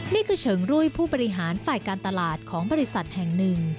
เฉิงรุ่ยผู้บริหารฝ่ายการตลาดของบริษัทแห่งหนึ่ง